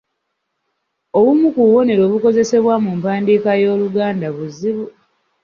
Obumu ku bubonero obukozesebwa mu mpandiika y’Oluganda buzibu.